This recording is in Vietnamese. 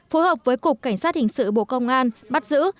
phối hợp với cục cảnh sát hình sự bộ công an bắt giữ